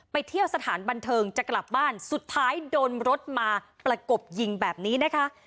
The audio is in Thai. ไปเที่ยวสถานบันเทิงจะกลับบ้านสุดท้ายโดนรถมาประกบยิงแบบนี้นะคะ